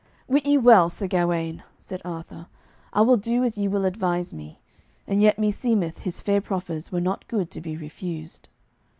"Wit ye well, Sir Gawaine," said Arthur, "I will do as ye will advise me; and yet me seemeth his fair proffers were not good to be refused."